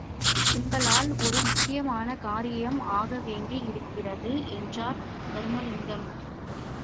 உங்களால் ஒரு முக்கியமான காரியம் ஆகவேண்டி யிருக்கிறது என்றார் தருமலிங்கம்.